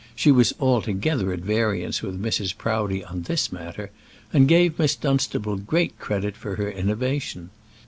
She was altogether at variance with Mrs. Proudie on this matter, and gave Miss Dunstable great credit for her innovation.